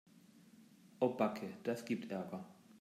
Au backe, das gibt Ärger.